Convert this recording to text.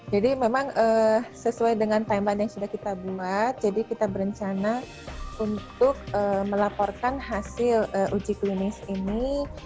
jadi memang sesuai dengan timelan yang sudah kita buat jadi kita berencana untuk melaporkan hasil uji klinis ini